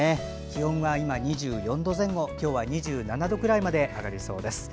気温は今２４度前後今日は２７度くらいまで上がりそうです。